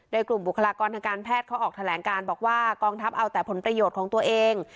โดยกลุ่มบุคลากรทางการแพทย์เขาออกแถลงการบอกว่ากองทัพเอาแต่ผลประโยชน์ของตัวเอง